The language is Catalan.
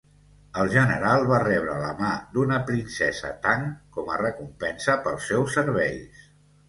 El general va rebre la mà d'una princesa Tang com a recompensa pels seus serveis.